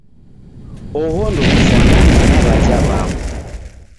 Oho ndokufwanane na w'aja w'amu.